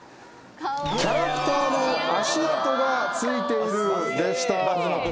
キャラクターの足跡がついているでした